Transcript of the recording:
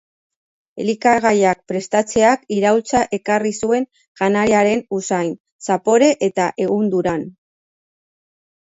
Elikagaiak prestatzeak iraultza ekarri zuen janariaren usain, zapore eta ehunduran.